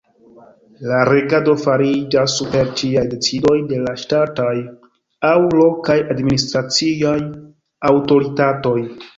La regado fariĝas super ĉiaj decidoj de la ŝtataj aŭ lokaj administraciaj aŭtoritatoj.